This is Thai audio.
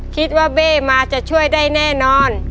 เบ้มาจะช่วยได้แน่นอน